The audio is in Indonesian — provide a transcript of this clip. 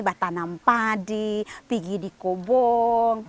bak tanam padi pigi di kobok